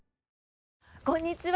こんにちは。